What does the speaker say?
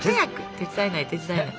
手伝えない手伝えない。